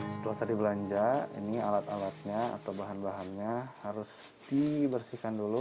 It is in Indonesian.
setelah tadi belanja ini alat alatnya atau bahan bahannya harus dibersihkan dulu